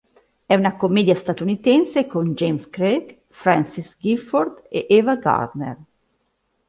È una commedia statunitense con James Craig, Frances Gifford e Ava Gardner.